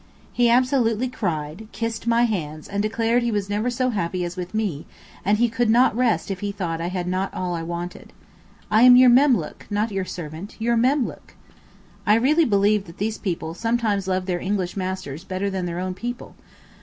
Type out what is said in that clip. He absolutely cried, kissed my hands, and declared he was never so happy as with me, and he could not rest if he thought I had not all I wanted. 'I am your memlook, not your servant—your memlook.' I really believe that these people sometimes love their English masters better than their own people.